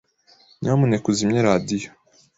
Nyamuneka uzimye radio.